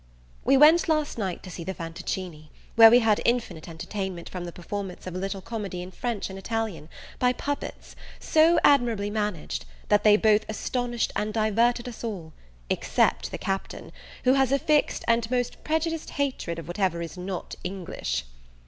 We went last night to see the Fantoccini, where we had infinite entertainment from the performance of a little comedy in French and Italian, by puppets, so admirably managed, that they both astonished and diverted us all, except the Captain, who has a fixed and most prejudiced hatred of whatever is not English.